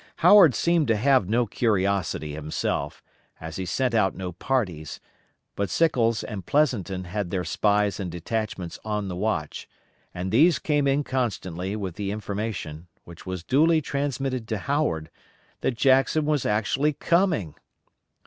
Howard seemed to have no curiosity himself, as he sent out no parties; but Sickles and Pleasonton had their spies and detachments on the watch, and these came in constantly with the information, which was duly transmitted to Howard, that Jackson was actually coming.